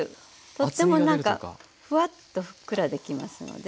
とっても何かふわっとふっくらできますので。